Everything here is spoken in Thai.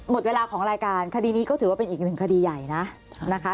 หมดเวลาของรายการคดีนี้ก็ถือว่าเป็นอีกหนึ่งคดีใหญ่นะนะคะ